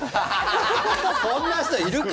そんな人いるか？